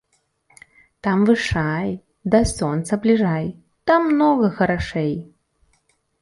Там вышай, да сонца бліжай, там многа харашэй.